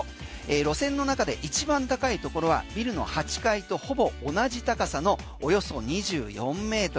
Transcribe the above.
路線の中で一番高いところはビルの８階とほぼ同じ高さのおよそ２４ｍ。